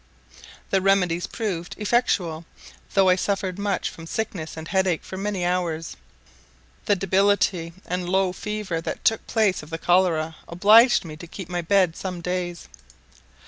The remedies proved effectual, though I suffered much from sickness and headache for many hours. The debility and low fever that took place of the cholera obliged me to keep my bed some days.